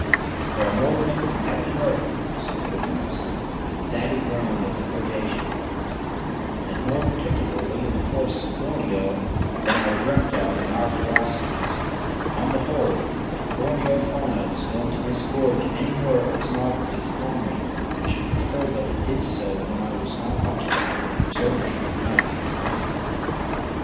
"There are more things in heaven and earth," said Woodhouse and Thaddy groaned at the quotation "and more particularly in the forests of Borneo, than are dreamt of in our philosophies. On the whole, if the Borneo fauna is going to disgorge any more of its novelties upon me, I should prefer that it did so when I was not occupied in the observatory at night and alone."